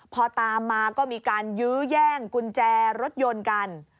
พอตามมาก็มีการยื้อแย่งกุญแจรถยนต์กัน